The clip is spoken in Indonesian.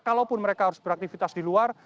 kalaupun mereka harus beraktivitas di luar